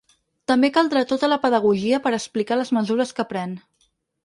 També caldrà tota la pedagogia per a explicar les mesures que pren.